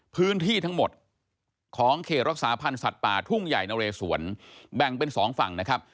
พื้นที่ทั้งหมดของเขตรักษาพันธ์สัตว์ป่าทุ่งใหญ่นเรสวนแบ่งเป็นสองฝั่งนะครับ